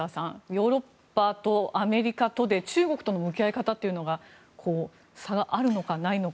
ヨーロッパとアメリカとで中国との向き合い方というのが差があるのか、ないのか。